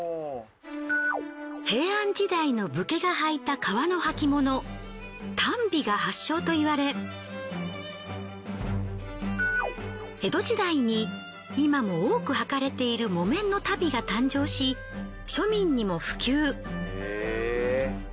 平安時代の武家が履いた皮の履物単皮が発祥といわれ江戸時代に今も多く履かれている木綿の足袋が誕生し庶民にも普及。